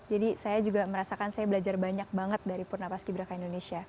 jadi saya juga merasakan saya belajar banyak banget dari purna pas ki braka indonesia